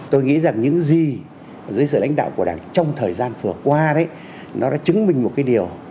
tôi nghĩ rằng những gì dưới sự lãnh đạo của đảng trong thời gian vừa qua đấy nó đã chứng minh một cái điều